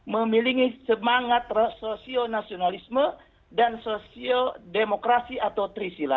memiliki semangat sosio nasionalisme dan sosio demokrasi atau trisila